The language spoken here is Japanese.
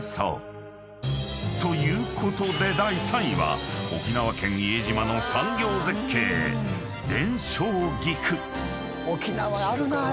［ということで第３位は沖縄県伊江島の産業絶景電照菊］